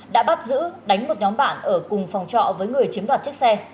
đã bắt giữ đánh một nhóm bạn ở cùng phòng trọ với người chiếm đoạt chiếc xe